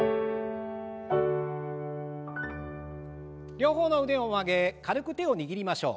両方の腕を上げ軽く手を握りましょう。